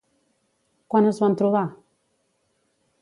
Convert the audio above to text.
Quan es van trobar?